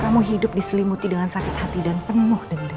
kamu hidup diselimuti dengan sakit hati dan penuh dengan